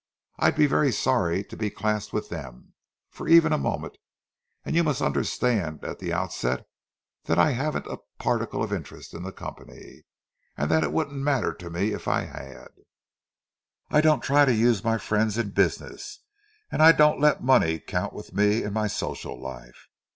I'd be very sorry to be classed with them, for even a moment; and you must understand at the outset that I haven't a particle of interest in the company, and that it wouldn't matter to me if I had. I don't try to use my friends in business, and I don't let money count with me in my social life.